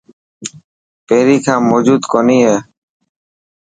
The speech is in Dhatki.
پهرين کان موجود ڪونهي هي؟